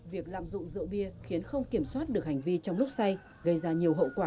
việc lạm dụng rượu bia khiến không kiểm soát được hành vi trong lúc xay gây ra nhiều hậu quả